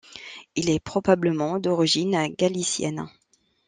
Il est probablement d’origine galicienne.